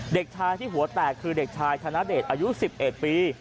เด็กชายที่หัวแตกคือเด็กชายธนเดชอายุ๑๑ปี